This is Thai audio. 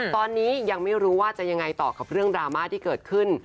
ตอนนี้ยังไม่รู้ว่าจะยังไงต่อกับเรื่องดราม่าที่เกิดขึ้น